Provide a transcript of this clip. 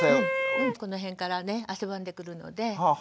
この辺からね汗ばんでくるので。